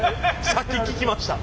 さっき聞きました。